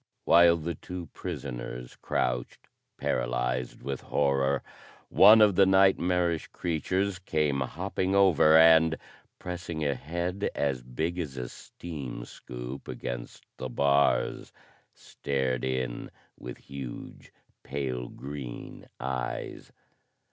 While the two prisoners crouched paralyzed with horror, one of the nightmarish creatures came hopping over and, pressing a head as big as a steam scoop against the bars, stared in with huge, pale green eyes.